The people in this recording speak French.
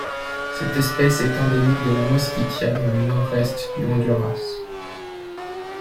Cette espèce est endémique de La Mosquitia dans le nord-est du Honduras.